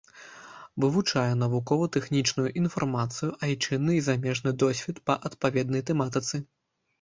Вывучае навукова-тэхнічную інфармацыю, айчынны і замежны досвед па адпаведнай тэматыцы.